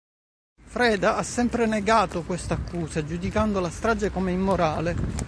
Freda ha sempre negato questa accusa, giudicando la strage come "immorale".